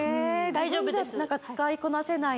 大丈夫です